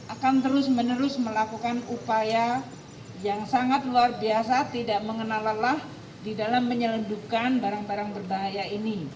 akan terus menerus melakukan upaya yang sangat luar biasa tidak mengenal lelah di dalam menyelundupkan barang barang berbahaya ini